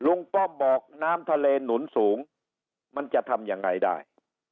ป้อมบอกน้ำทะเลหนุนสูงมันจะทำยังไงได้